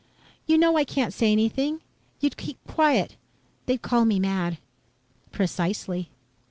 "You know I can't say anything. You'd keep quiet. They'd call me mad." "Precisely."